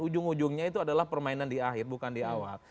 ujung ujungnya itu adalah permainan di akhir bukan di awal